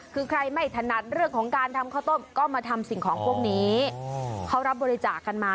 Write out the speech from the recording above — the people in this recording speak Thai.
คือใครไม่ถนัดเรื่องของการทำข้าวต้มก็มาทำสิ่งของพวกนี้เขารับบริจาคกันมา